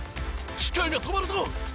機械が止まるぞ！